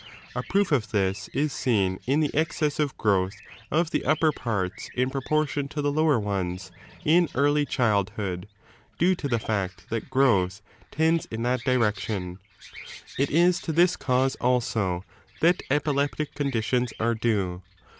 A proof of this is seen in the excessive growth of the upper parts in propor tion to the lower ones in early childhood, due to the tact that growth tends in that direction. It la to this c&nae also that epileptic conditions are due.